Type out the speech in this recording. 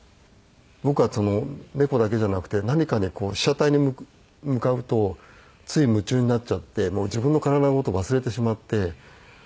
僕は猫だけじゃなくて何かに被写体に向かうとつい夢中になっちゃって自分の体の事を忘れてしまって。